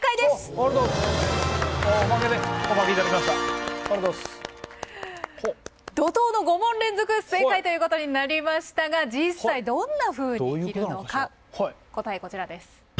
ありがとうございます。ということになりましたが実際どんなふうに着るのか答えこちらです。